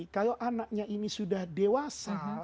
kalau anaknya ini sudah dewasa